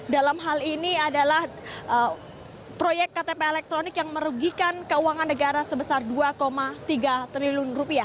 dalam hal ini adalah proyek ktp elektronik yang merugikan keuangan negara sebesar rp dua tiga triliun